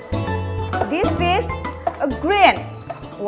ini ini biru